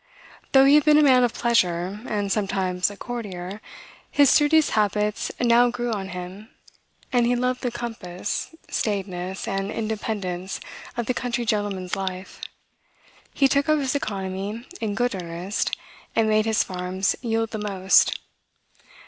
Though he had been a man of pleasure, and sometimes a courtier, his studious habits now grew on him, and he loved the compass, staidness, and independence of the country gentleman's life. He took up his economy in good earnest, and made his farms yield the most.